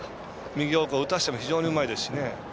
右方向打たせても非常にうまいですしね。